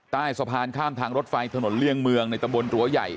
ใต้สะพานข้ามทางรถไฟถนนเลี่ยงเมืองในตะบนรั้วใหญ่